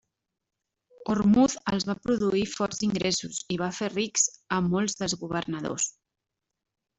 Ormuz els va produir forts ingressos i va fer rics a molts dels governadors.